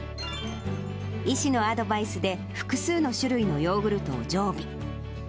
医師のアドバイスで複数の種類のヨーグルトを常備。